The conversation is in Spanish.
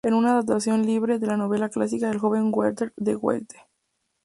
Es una adaptación libre de la novela clásica "El joven Werther", de Goethe.